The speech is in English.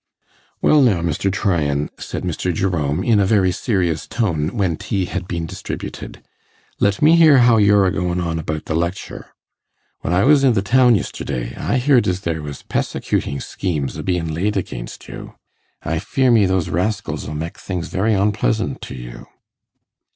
'Well now, Mr. Tryan,' said Mr. Jerome, in a very serious tone, when tea had been distributed, 'let me hear how you're a goin' on about the lectur. When I was i' the town yisterday, I heared as there was pessecutin' schemes a bein' laid again' you. I fear me those raskills 'll mek things very onpleasant to you.